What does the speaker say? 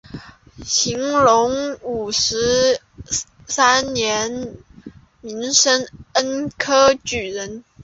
乾隆五十三年戊申恩科举人。